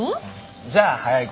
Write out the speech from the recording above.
じゃあ早い事。